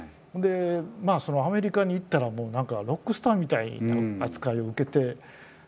ほんでアメリカに行ったらもう何かロックスターみたいな扱いを受けて。